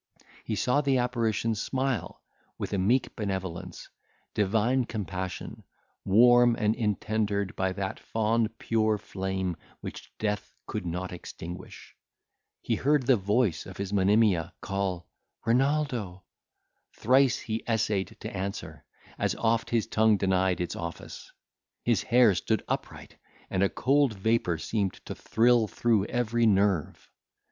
He saw the apparition smile with meek benevolence, divine compassion, warm and intendered by that fond pure flame which death could not extinguish. He heard the voice of his Monimia call Renaldo! Thrice he essayed to answer; as oft his tongue denied its office. His hair stood upright, and a cold vapour seemed to thrill through every nerve.